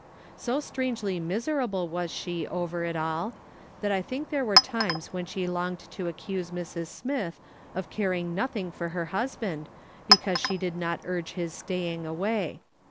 So strangely miserable was she over it all, that I think there were times when she longed to accuse Mrs. Smith of caring nothing for her husband, because she did not urge his staying away.